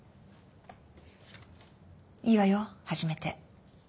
いいわよ始めて。